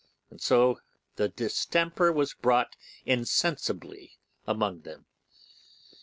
And so the distemper was brought insensibly among them.